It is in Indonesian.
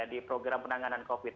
di program penanganan covid